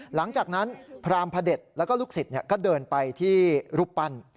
หลังจากนั้นพรามพระเด็จแล้วก็ลูกศิษย์ก็เดินไปที่รูปปั้น